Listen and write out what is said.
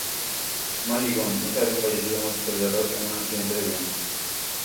Molly Gunn: Hija de un fallecido músico de rock en un accidente de avión.